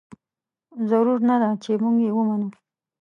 ضرور نه ده چې موږ یې ومنو.